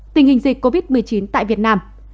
tình hình dịch covid một mươi chín tại việt nam